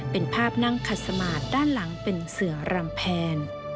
เป็นภาพนั่งขัดสมาธิด้านหลังเป็นเสือรำแพน